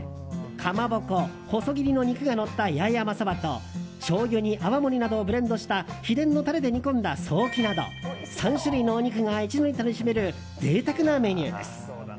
かまぼこ、細切りの肉がのった八重山そばとしょうゆに泡盛などをブレンドした秘伝のタレで煮込んだソーキなど３種類のお肉が一度に楽しめる贅沢なメニューです。